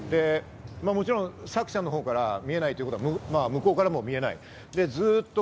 もちろん朔ちゃんのほうから見えないということは、向こうからも見えない。